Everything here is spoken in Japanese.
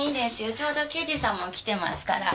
ちょうど刑事さんも来てますから。